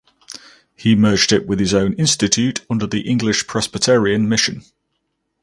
He merged it with his own Institute under the English Presbyterian Mission.